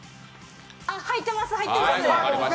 入ってます、入ってます。